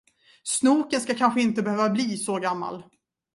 Snoken ska kanske inte behöva bli så gammal.